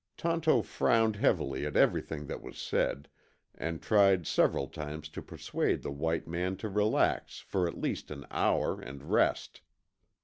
Tonto frowned heavily at everything that was said, and tried several times to persuade the white man to relax for at least an hour and rest.